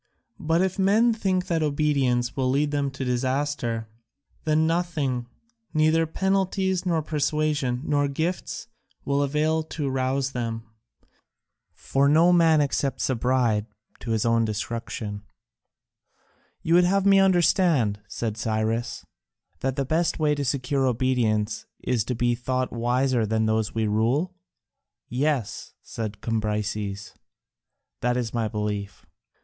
But if men think that obedience will lead them to disaster, then nothing, neither penalties, nor persuasion, nor gifts, will avail to rouse them. For no man accepts a bribe to his own destruction." "You would have me understand," said Cyrus, "that the best way to secure obedience is to be thought wiser than those we rule?" "Yes," said Cambyses, "that is my belief."